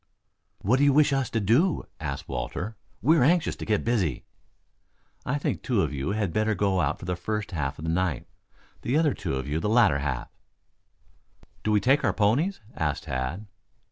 "What do you wish us to do?" asked Walter. "We are anxious to get busy." "I think two of you had better go out for the first half of the night; the other two for the latter half." "Do we take our ponies?" asked Tad.